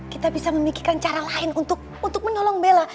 kita bisa memikirkan cara lain untuk menolong bella